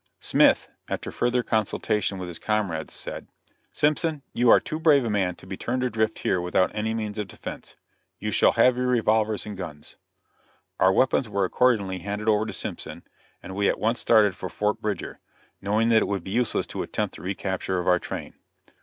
Smith, after further consultation with his comrades, said: "Simpson, you are too brave a man to be turned adrift here without any means of defense. You shall have your revolvers and guns." Our weapons were accordingly handed over to Simpson, and we at once started for Fort Bridger, knowing that it would be useless to attempt the recapture of our train.